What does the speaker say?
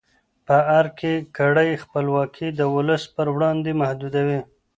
په ارګ کې کړۍ خپلواکي د ولس پر وړاندې محدودوي.